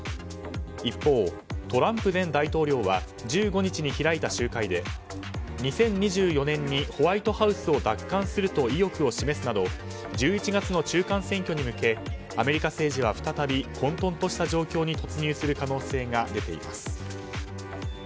一方、トランプ前大統領は１５日に開いた集会で２０２４年にホワイトハウスを奪還すると意欲を示すなど１１月の中間選挙に向けてアメリカ政治は再び混沌とした状況に突入する可能性が出ています。